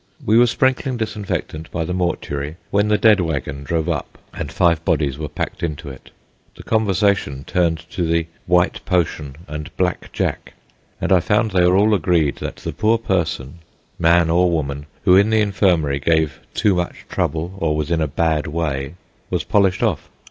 We were sprinkling disinfectant by the mortuary, when the dead waggon drove up and five bodies were packed into it. The conversation turned to the "white potion" and "black jack," and I found they were all agreed that the poor person, man or woman, who in the Infirmary gave too much trouble or was in a bad way, was "polished off."